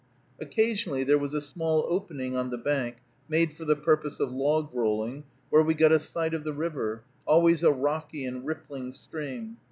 Occasionally there was a small opening on the bank, made for the purpose of log rolling, where we got a sight of the river, always a rocky and rippling stream.